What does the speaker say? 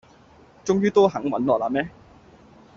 終於都肯搵我喇咩